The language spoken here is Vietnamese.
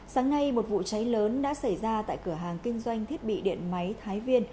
sáng nay một vụ cháy lớn đã xảy ra tại cửa hàng kinh doanh thiết bị điện máy thái viên